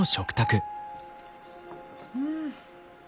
うん。